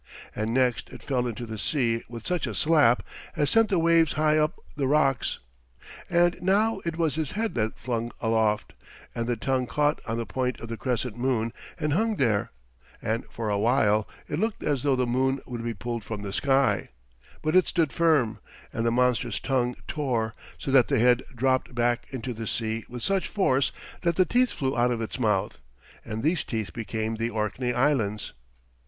And next it fell into the sea with such a slap as sent the waves high up the rocks; and now it was his head that flung aloft, and the tongue caught on the point of the crescent moon and hung there, and for a while it looked as though the moon would be pulled from the sky, but it stood firm, and the monster's tongue tore, so that the head dropped back into the sea with such force that the teeth flew out of its mouth, and these teeth became the Orkney Islands.